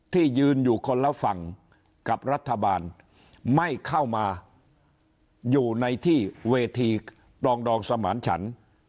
ที่ยืนอยู่คนละฝั่งกับรัฐบาลไม่เข้ามาอยู่ในที่เวทีปลองดองสมานฉัน